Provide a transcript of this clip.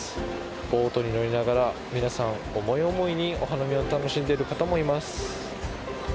ボートに乗りながら皆さん、思い思いにお花見を楽しんでいる方もいます。